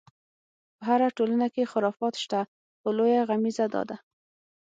په هره ټولنه کې خرافات شته، خو لویه غمیزه دا ده.